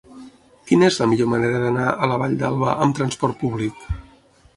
Quina és la millor manera d'anar a la Vall d'Alba amb transport públic?